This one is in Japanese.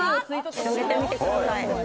広げてみてください。